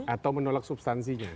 atau menolak substansinya